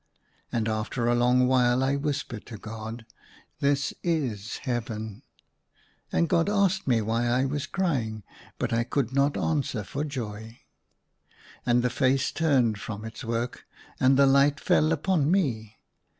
And after a long while I whispered to God, " This is Heaven." 12 178 THE SUNLIGHT LA V And God asked me why I was crying. But I could not answer for joy. And the face turned from its work, and the light fell upon me.